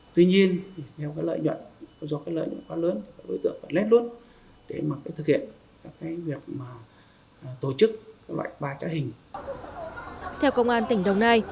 theo công an tỉnh đồng nai